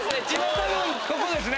多分ここですね！